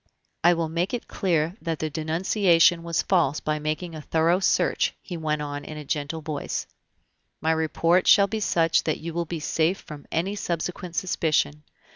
"I will make it clear that the denunciation was false by making a thorough search," he went on in a gentle voice; "my report shall be such that you will be safe from any subsequent suspicion.